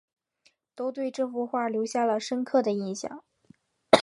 都对这幅画留下了深刻的印象